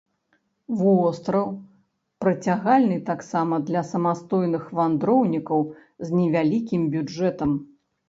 Востраў прыцягальны таксама для самастойных вандроўнікаў з невялікім бюджэтам.